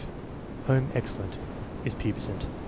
Home excellent. Is pubescent.